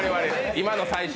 今の、最終。